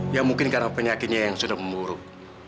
ya mungkin karena penyakitnya yang sudah memburuk